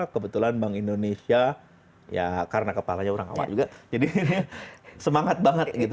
kebetulan bank indonesia ya karena kepalanya orang awak juga jadi semangat banget gitu